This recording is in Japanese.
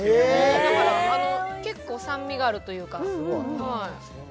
だから、結構酸味があるというか。